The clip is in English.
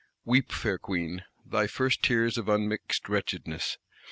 Weep, fair Queen, thy first tears of unmixed wretchedness!